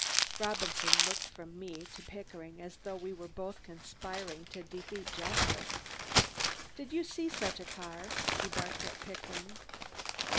Robinson looked from me to Pickering as though we were both conspiring to defeat justice. "Did you see such a car?" he barked at Pickering.